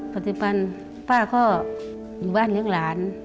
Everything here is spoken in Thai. ปัจจุบันป้าก็อยู่บ้านเลี้ยงหลาน